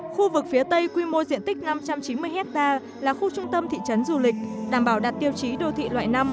khu vực phía tây quy mô diện tích năm trăm chín mươi hectare là khu trung tâm thị trấn du lịch đảm bảo đạt tiêu chí đô thị loại năm